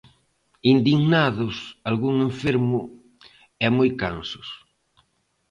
Indignados, algún enfermo e moi cansos.